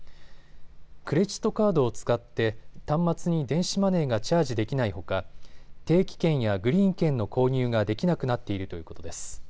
クレジットカードを使って端末に電子マネーがチャージできないほか定期券やグリーン券の購入ができなくなっているということです。